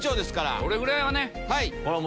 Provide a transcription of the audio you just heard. それぐらいはね。